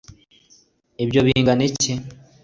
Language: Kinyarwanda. ibyo bingana iki